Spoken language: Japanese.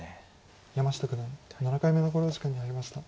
山下九段７回目の考慮時間に入りました。